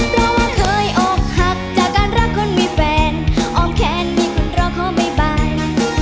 เพราะว่าเคยอกหักจากการรักคนมีแฟนอ้อมแค้นมีคุณรอขอบ๊ายบาย